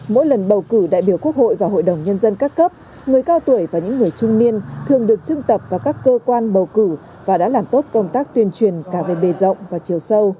mỗi lần bầu cử đại biểu quốc hội và hội đồng nhân dân các cấp người cao tuổi và những người trung niên thường được trưng tập vào các cơ quan bầu cử và đã làm tốt công tác tuyên truyền cả về bề rộng và chiều sâu